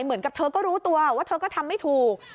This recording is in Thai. เหมือนกับเธอก็รู้ตัวว่าเธอก็ทำไม่ถูก